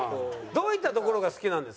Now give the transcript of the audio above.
どういったところが好きなんですか？